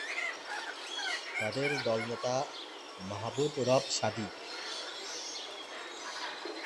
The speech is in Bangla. তাদের দলনেতা মাহবুব রব সাদী।